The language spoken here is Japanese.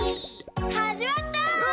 はじまった！